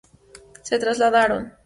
Se trasladaron